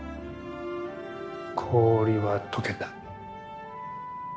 氷は溶けた。